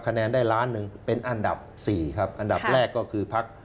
คะแนนได้ล้านหนึ่งเป็นอันดับ๔ครับอันดับแรกก็คือพัก